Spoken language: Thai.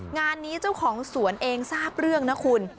งานนี้เจ้าของสวนเองทราบเรื่องนะคุณ